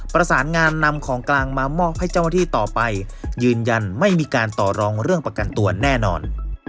ประสานงานนำของกลางมามอบให้เจ้าหน้าที่ต่อไปยืนยันไม่มีการต่อรองเรื่องประกันตัวแน่นอน